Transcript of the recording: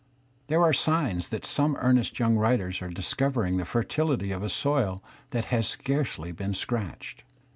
There are signs that some earnest young writers are discovering the fertility of a soil that has scarcely been scratched.